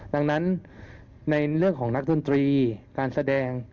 ดังนั้นในเรื่องของนักดนตรีการแสดง